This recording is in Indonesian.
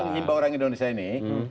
mengimbau orang indonesia ini